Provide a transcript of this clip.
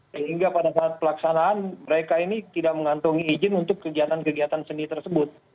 sehingga pada saat pelaksanaan mereka ini tidak mengantongi izin untuk kegiatan kegiatan seni tersebut